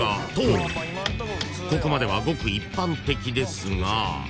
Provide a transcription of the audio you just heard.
［ここまではごく一般的ですが］